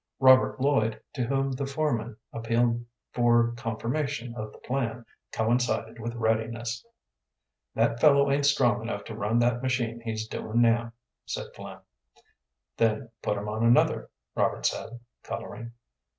Robert Lloyd, to whom the foreman appealed for confirmation of the plan, coincided with readiness. "That fellow ain't strong enough to run that machine he's doing now," said Flynn. "Then put him on another," Robert said, coloring.